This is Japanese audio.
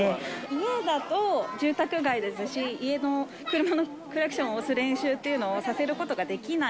家だと住宅街ですし、家の車のクラクションを押す練習っていうのをさせることができな